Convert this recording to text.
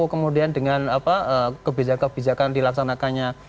kemudian dengan kebijakan kebijakan dilaksanakannya